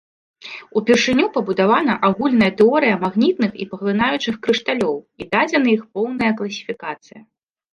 Упершыню пабудавана агульная тэорыя магнітных і паглынаючых крышталёў і дадзена іх поўная класіфікацыя.